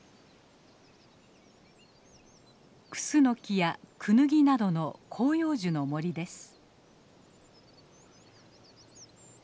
クスノキやクヌギなどの広葉樹の森です。